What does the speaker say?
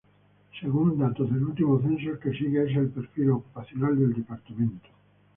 Según datos del último censo, el que sigue es el perfil ocupacional del departamento.